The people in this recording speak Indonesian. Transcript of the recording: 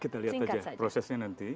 kita lihat aja prosesnya nanti